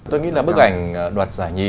tôi nghĩ là bức ảnh đoạt giải nhì